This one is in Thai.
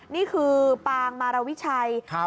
นี่คือปางมาระวิชัยครับ